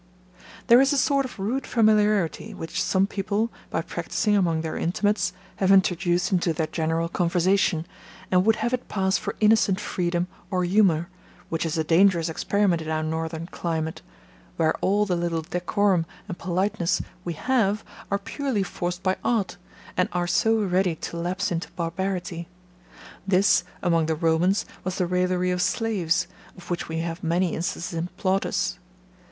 There is a sort of rude familiarity, which some people, by practising among their intimates, have introduced into their general conversation, and would have it pass for innocent freedom or humour, which is a dangerous experiment in our northern climate, where all the little decorum and politeness we have are purely forced by art, and are so ready to lapse into barbarity. This, among the Romans, was the raillery of slaves, of which we have many instances in Plautus.